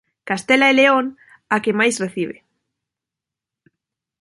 Castela e León, a que máis recibe